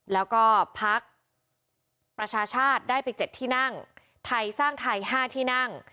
แล้วก็พักประชาชาติได้ไป๗ที่นั่งไทยสร้างไทย๕ที่นั่ง